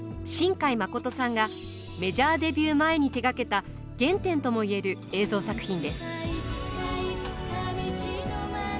新海誠さんがメジャーデビュー前に手がけた原点ともいえる映像作品です。